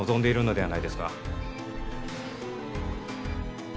はい！